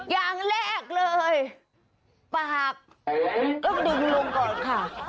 อย่างแรกเลยปากต้องดึงลงก่อนค่ะ